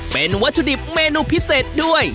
เป็นวัตถุดิบเมนูพิเศษด้วย